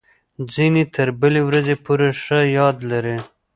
ځینې تر بلې ورځې پورې ښه یاد لري.